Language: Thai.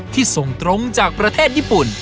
ส่งตรงจากประเทศญี่ปุ่น